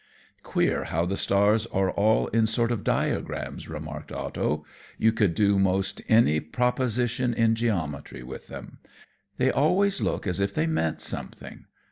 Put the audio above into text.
"Queer how the stars are all in sort of diagrams," remarked Otto. "You could do most any proposition in geometry with 'em. They always look as if they meant something.